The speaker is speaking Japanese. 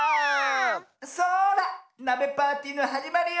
そらなべパーティーのはじまりよ。